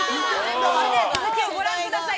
続きをご覧ください。